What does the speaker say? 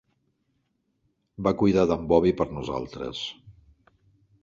Va cuidar d'en Bobby per nosaltres.